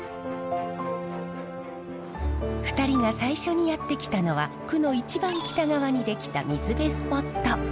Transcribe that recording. ２人が最初にやって来たのは区の一番北側にできた水辺スポット。